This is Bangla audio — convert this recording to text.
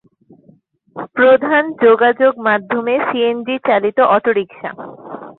প্রধান যোগাযোগ মাধ্যমে সিএনজি চালিত অটোরিক্সা।